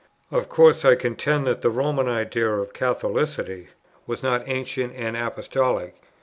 Of course I contended that the Roman idea of Catholicity was not ancient and apostolic.